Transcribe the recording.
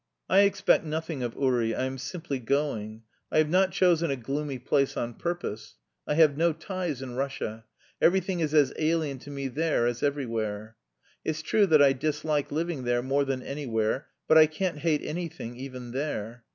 "I expect nothing of Uri; I am simply going. I have not chosen a gloomy place on purpose. I have no ties in Russia everything is as alien to me there as everywhere. It's true that I dislike living there more than anywhere; but I can't hate anything even there!